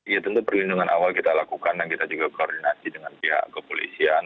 ya tentu perlindungan awal kita lakukan dan kita juga koordinasi dengan pihak kepolisian